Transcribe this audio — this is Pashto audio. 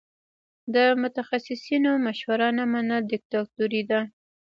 د متخصصینو مشوره نه منل دیکتاتوري ده.